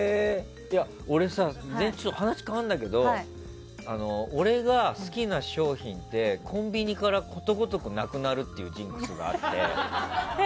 話変わるけど俺が好きな商品ってコンビニからことごとくなくなるっていうジンクスがあって。